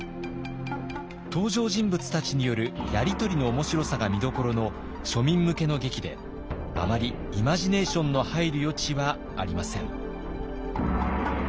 登場人物たちによるやりとりの面白さが見どころの庶民向けの劇であまりイマジネーションの入る余地はありません。